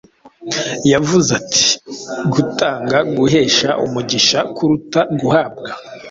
yavuze ati: ‘Gutanga guhesha umugisha kuruta guhabwa.’